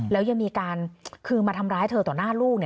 แล้วยังมีการคือมาทำร้ายเธอต่อหน้าลูก